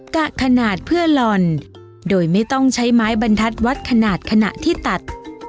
กะขนาดเพื่อลอนโดยไม่ต้องใช้ไม้บรรทัศน์วัดขนาดขณะที่ตัด